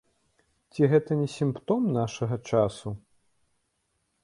Ці гэта не сімптом нашага часу?